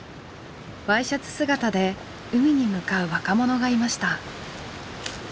Ｙシャツ姿で海に向かう若者がいました。